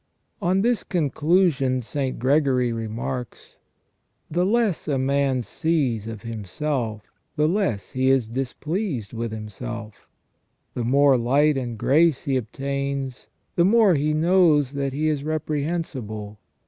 On this conclusion St. Gregory remarks :" The less a man sees of himself, the less he is displeased with himself The more light and grace he obtains, the more he knows that he is repre hensible.